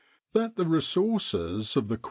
That the resources of the Q.A.